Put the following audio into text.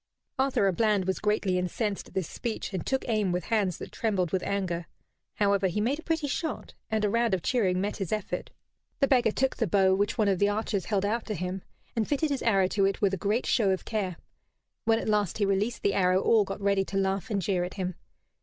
Arthur à Bland was greatly incensed at this speech, and took aim with hands that trembled with anger. However, he made a pretty shot, and a round of cheering met his effort. The beggar took the bow which one of the archers held out to him, and fitted his arrow to it with a great show of care. When at last he released the arrow all got ready to laugh and jeer at him.